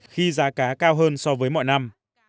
khi giá cá cao hơn so với mọi năm